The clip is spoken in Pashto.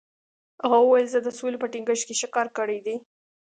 هغه وویل، زه د سولې په ټینګښت کې ښه کار کړی دی.